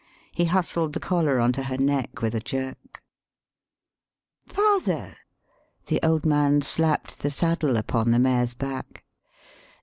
He hustled the collar on to her neck with a jerk.] 2 "Father!" The old man slapped the saddle upon the mare's back.